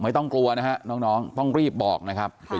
ไม่ต้องกลัวนะครับ